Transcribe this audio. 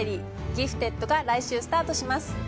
『ギフテッド』が来週スタートします。